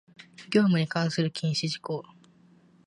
業務に関する禁止事項